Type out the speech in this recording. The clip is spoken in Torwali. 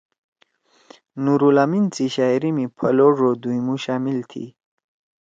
نورالامین سی شاعری می پھل او ڙو دُھوئمُو شامل تھی